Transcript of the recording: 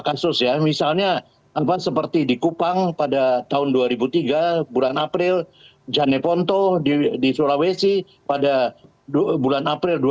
kasus ya misalnya apa seperti di kupang pada tahun dua ribu tiga bulan april jane ponto di sulawesi pada dua bulan